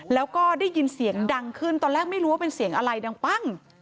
แล้วก็ได้ยินเสียงดังขึ้นตอนแรกไม่รู้ว่าเป็นเสียงอะไรดังปั้ง